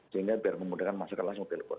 sehingga biar memudahkan masuk kelas mobil pun